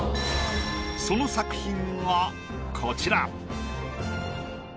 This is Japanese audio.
その作品がこちら。